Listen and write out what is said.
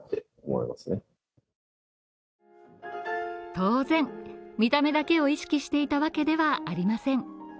当然、見た目だけを意識していたわけではありません。